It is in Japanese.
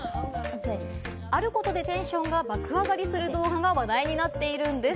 あることでテンションが爆上がりする動画が話題になっているんです。